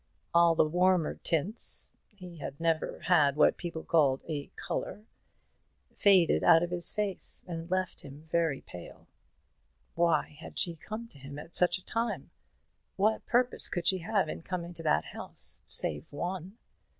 All the warmer tints he never had what people call "a colour" faded out of his face, and left him very pale. Why had she come to him at such a time? What purpose could she have in coming to that house, save one?